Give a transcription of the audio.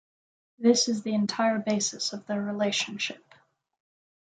This is the entire basis of their relationship.